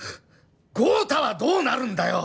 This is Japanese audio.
豪太はどうなるんだよ？